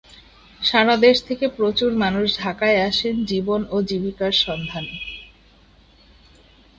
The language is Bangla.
সারা দেশ থেকে প্রচুর মানুষ ঢাকায় আসেন জীবন ও জীবিকার সন্ধানে।